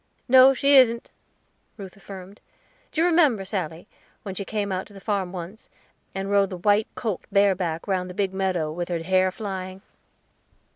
"No, she isn't," Ruth affirmed. "Do you remember, Sally, when she came out to the farm once, and rode the white colt bare back round the big meadow, with her hair flying?"